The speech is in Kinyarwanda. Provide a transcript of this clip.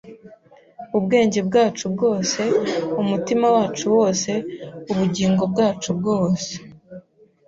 ubwenge bwacu bwose, umutima wacu wose, ubugingo bwacu bwose